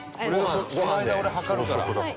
その間俺測るから。